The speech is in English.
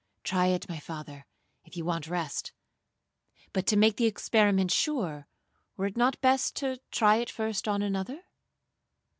Try it, my father, if you want rest; but to make the experiment sure, were it not best to try it first on another?'